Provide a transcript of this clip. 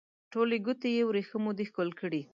ټولې ګوتې یې وریښمو دي ښکل کړي